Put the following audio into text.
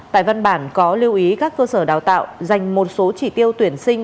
tại văn bản có lưu ý các cơ sở đào tạo dành một số chỉ tiêu tuyển sinh